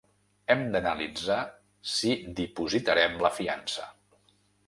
Hem d’analitzar si dipositarem la fiança.